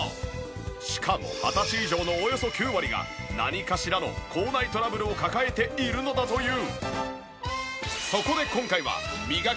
しかも二十歳以上のおよそ９割が何かしらの口内トラブルを抱えているのだという。